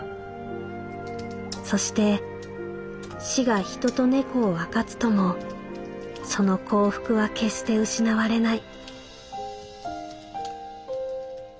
そして死が人と猫を分かつともその幸福は決して失われない」。